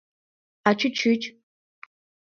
— А чӱчӱч?